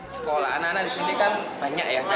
sekolah anak anak di sini kan banyak ya